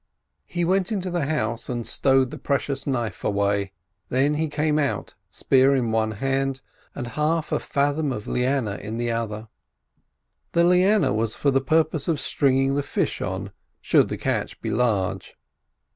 He went into the house and stowed the precious knife away. Then he came out, spear in one hand, and half a fathom of liana in the other. The liana was for the purpose of stringing the fish on, should the catch be large.